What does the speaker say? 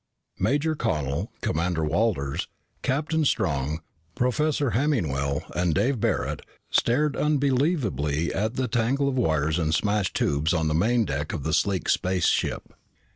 Major Connel, Commander Walters, Captain Strong, Professor Hemmingwell, and Dave Barret stared unbelievingly at the tangle of wires and smashed tubes on the main deck of the sleek spaceship.